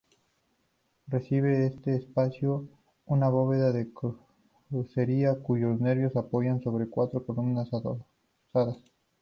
Recibe este espacio una bóveda de crucería cuyos nervios apoyan sobre cuatro columnas adosadas.